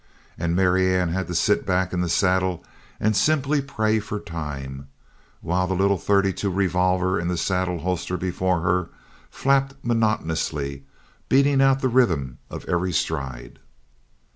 And Marianne had to sit back in the saddle and simply pray for time, while the little thirty two revolver in the saddle holster before her, flapped monotonously, beating out the rhythm of every stride.